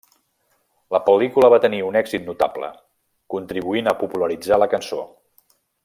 La pel·lícula va tenir un èxit notable, contribuint a popularitzar la cançó.